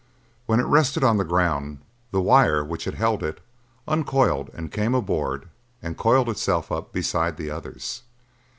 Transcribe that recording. When it rested on the ground, the wire which had held it uncoiled, came aboard and coiled itself up beside the others.